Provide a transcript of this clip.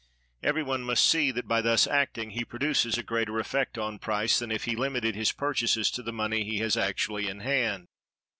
Every one must see that by thus acting he produces a greater effect on price than if he limited his purchases to the money he has actually in hand.